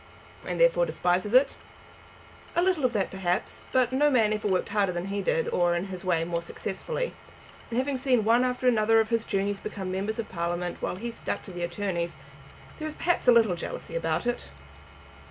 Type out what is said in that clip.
"And therefore despises it." "A little of that, perhaps. No man ever worked harder than he did, or, in his way, more successfully; and having seen one after another of his juniors become members of Parliament, while he stuck to the attorneys, there is perhaps a little jealousy about it."